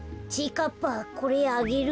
かっぱこれあげる。